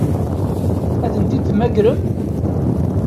Ad tent-id-temmagrem?